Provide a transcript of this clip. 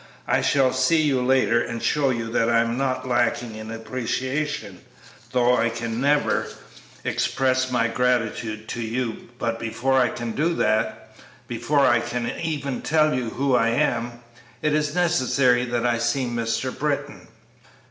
I shall see you later and show you that I am not lacking in appreciation, though I can never express my gratitude to you; but before I can do that before I can even tell you who I am it is necessary that I see Mr. Britton."